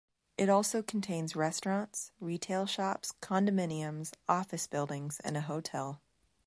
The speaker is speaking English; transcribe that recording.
It also contains restaurants, retail shops, condominiums, office buildings, and a hotel.